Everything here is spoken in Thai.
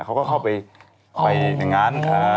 เขาก็เข้าไปอย่างนั้น